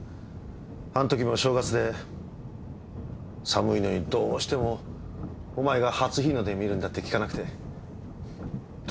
時も正月で寒いのにどうしてもお前が初日の出見るんだって聞かなくて父さんも付き合わされて。